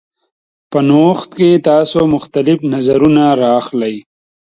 په نوښت کې تاسو مختلف نظرونه راخلئ.